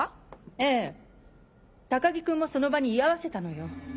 ええ高木君もその場に居合わせたのよ。